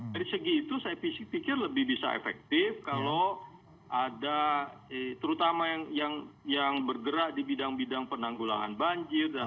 dari segi itu saya pikir lebih bisa efektif kalau ada terutama yang bergerak di bidang bidang penanggulangan banjir